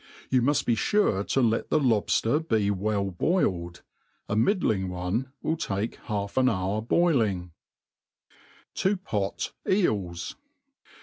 You muft be fure to let thelobfter be well boiled, A middling one will take half aa hour boiling* To pot EiJs.